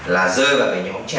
là rơi vào cái nhóm trẻ